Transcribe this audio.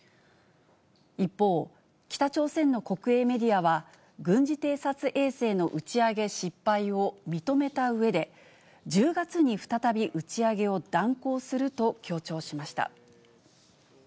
一方、北朝鮮の国営メディアは、軍事偵察衛星の打ち上げ失敗を認めたうえで、１０月に再び打ち上げを断行すると強調しました。